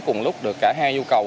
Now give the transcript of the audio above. cùng lúc được cả hai nhu cầu